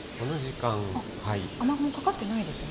雨雲かかってないですね。